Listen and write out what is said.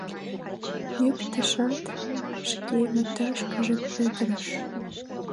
Йӱктышат, шке вӱташкыже петырыш.